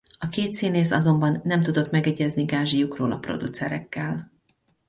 A két színész azonban nem tudott megegyezni gázsijukról a producerekkel.